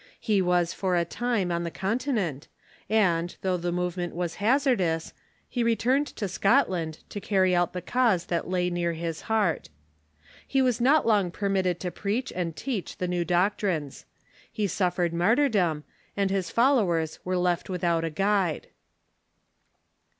He was for a time on the Continent, and, though the movement was hazardous, he returned to Scot land, to carry out the cause that lay near his heart. He was not long permitted to preach and teach the new doctrines. He suffered martyrdom, and his followers were left without a guide.